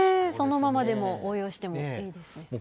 そのままでも、応用してもいいですね。